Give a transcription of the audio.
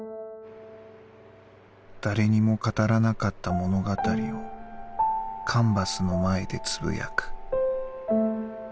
「誰にも語らなかった物語をカンバスの前で呟く」。